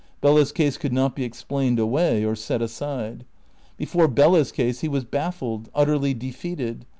Bella's case could not be explained away or set aside. Before Bella's case he was baffled, utterly defeated.